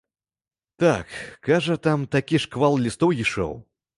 Так, кажа, там такі шквал лістоў ішоў.